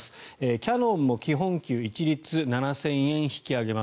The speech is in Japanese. キヤノンも基本給一律７０００円引き上げます。